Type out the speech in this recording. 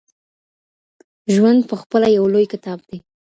ژوند پخپله یو لوی کتاب دی.